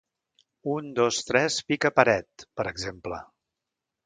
Un, dos, tres, pica paret, per exemple.